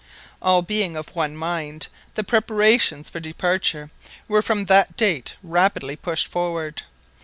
All being of one mind, the preparations for departure were from that date rapidly pushed forward.